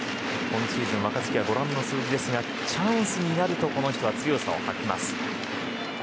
今シーズン若月はご覧の数字ですがチャンスになると、この人は強さを発揮します。